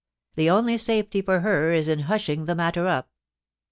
The only safety for her is in hushing the matter up.